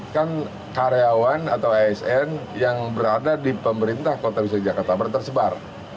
kan karyawan atau asn yang berada di pemerintah kota besar jakarta barat tersebar